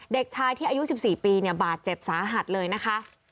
เด็กชายที่อายุ๑๔ปีเนี่ยบาดเจ็บสาหัสเลยนะคะ